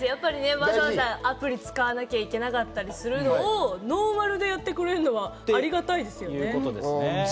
わざわざアプリを使わなきゃいけなかったりするのをノーマルてやってくれるのはありがたいですよね。